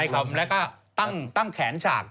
ใช้คำแล้วก็ตั้งแขนฉาก